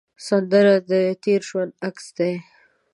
سندره د تېر ژوند عکس دی